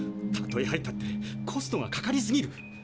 たとえ入ったってコストがかかりすぎる。